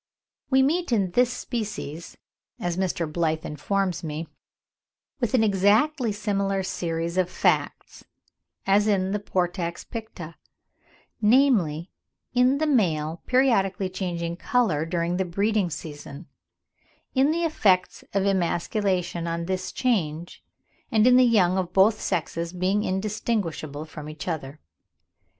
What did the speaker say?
We meet in this species, as Mr. Blyth informs me, with an exactly similar series of facts, as in the Portax picta, namely, in the male periodically changing colour during the breeding season, in the effects of emasculation on this change, and in the young of both sexes being indistinguishable from each other.